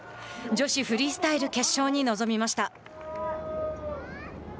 女子フリースタイル決勝に臨みました。